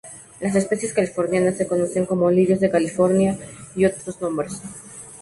Las especies californianas se conocen como lirios de California, y otros nombres, e.g.